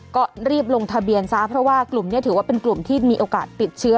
ก็รีบลงทะเบียนซะเพราะว่ากลุ่มนี้ถือว่าเป็นกลุ่มที่มีโอกาสติดเชื้อ